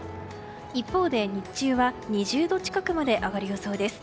一方で日中は２０度近くまで上がる予想です。